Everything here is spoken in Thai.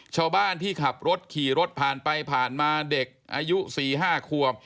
ชาวบ้านที่ขับรถขี่รถผ่านไปผ่านมาเด็กอายุ๔๕ควบ